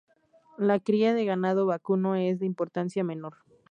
La cría de ganado vacuno es de importancia menor.